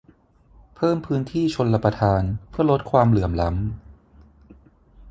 เพิ่มพื้นที่ชลประทานเพื่อลดความเหลื่อมล้ำ